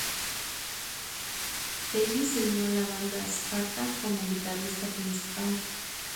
Davis se unió a la banda Sparta como guitarrista principal.